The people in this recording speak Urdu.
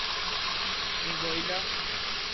انگوئیلا